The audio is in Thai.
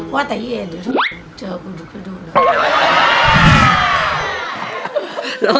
ว่าใต้เย็นต้องเจอกูทุกรหล่ะ